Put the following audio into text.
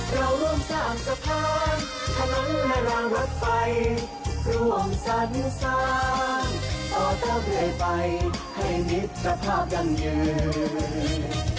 เราร่วมสร้างสภาพธนังและราวรักษ์ไฟร่วมสรรค์สร้างต่อเต้าเผื่อไปให้มิทธภาพยังเยื่อ